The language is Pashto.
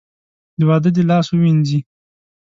د واده دې لاس ووېنځي .